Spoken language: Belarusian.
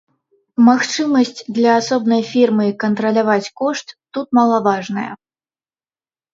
Магчымасць для асобнай фірмы кантраляваць кошт тут малаважная.